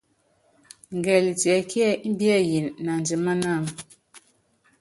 Ngɛli tiɛkíɛ́ ɛ́ɛ́ imbiɛyini naandiman wam?